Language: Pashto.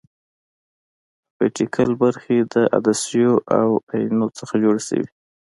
اپټیکل برخې د عدسیو او اینو څخه جوړې شوې.